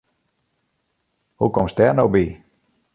Hoe komst dêr no by?